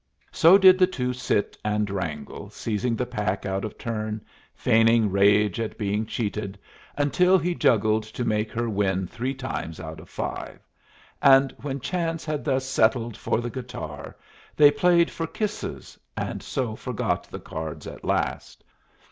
So did the two sit and wrangle, seizing the pack out of turn, feigning rage at being cheated, until he juggled to make her win three times out of five; and when chance had thus settled for the guitar, they played for kisses, and so forgot the cards at last.